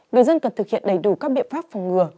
người dân cần thực hiện đầy đủ các biện pháp phòng ngừa